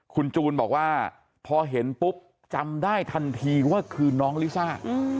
คุณจูนบอกว่าพอเห็นปุ๊บจำได้ทันทีว่าคือน้องลิซ่า